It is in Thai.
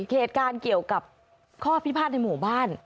ภิการเกี่ยวกับข้อพิพาะในหมู่บ้าน